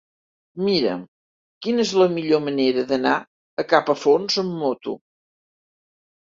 Mira'm quina és la millor manera d'anar a Capafonts amb moto.